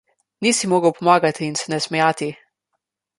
Ni si mogel pomagati in se ne smejati.